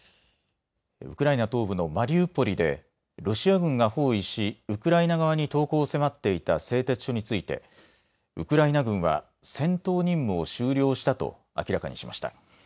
ウクライナ東部のマリウポリでロシア軍が包囲しウクライナ側に投降を迫っていた製鉄所についてウクライナ軍は戦闘任務を終了したと明らかにしました。